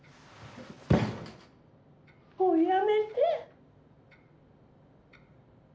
もうやめて。